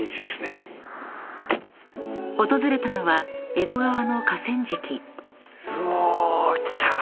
［訪れたのは江戸川の河川敷］うお来た！